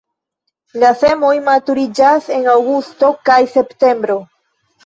La semoj maturiĝas en aŭgusto kaj septembro.